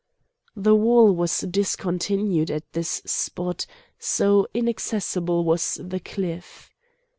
The wall was discontinued at this spot, so inaccessible was the cliff.